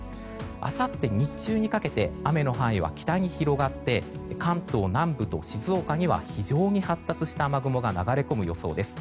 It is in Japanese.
あさって日中にかけて雨の範囲は北に広がって関東南部と静岡には非常に発達した雨雲が流れ込む予想です。